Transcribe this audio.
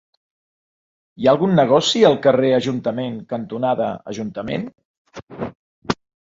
Hi ha algun negoci al carrer Ajuntament cantonada Ajuntament?